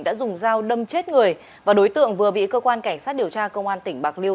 đã dùng dao đâm chết người và đối tượng vừa bị cơ quan cảnh sát điều tra công an tỉnh bạc liêu